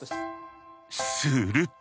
すると。